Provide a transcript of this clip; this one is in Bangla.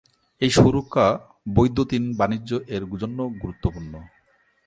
এই সুরক্ষা বৈদ্যুতিন বাণিজ্য এর জন্য গুরুত্বপূর্ণ।